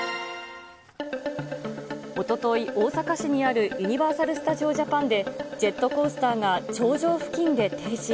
おととい、大阪市にあるユニバーサル・スタジオ・ジャパンで、ジェットコースターが頂上付近で停止。